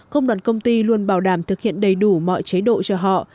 công đoàn công ty luôn bảo đảm thực hiện đầy đủ mọi chế độ cho họ